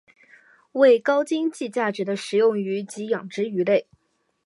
为高经济价值的食用鱼及养殖鱼类。